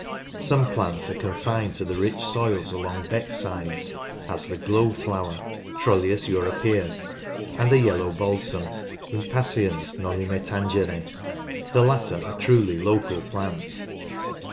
Some plants are confined to the rich soils along beck sides, as the globe flower (Trollius europaeus) and the yellow balsam (Impatiens noli me tangere), the latter a truly local plant.